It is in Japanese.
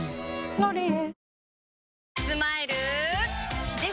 「ロリエ」